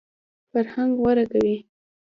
فرهنګ غوره کوي.